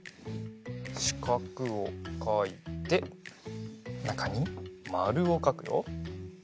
しかくをかいてなかにまるをかくよ。